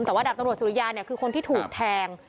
แต่ว่าดาบตำรวจสุริยาเนี่ยคือคนที่ถูกแทง